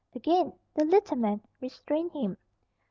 Again the little man restrained him.